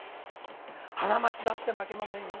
浜松だって負けませんよ！